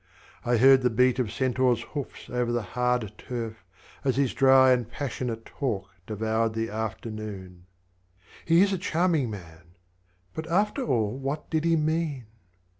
I heard the beat of centaur's hoofs over the hard turf As his dry and passionate talk devoured the afternoon. "He is a charming man" "But after all what did he mean?"